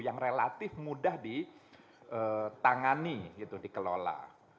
yang relatif mudah ditangani dikelola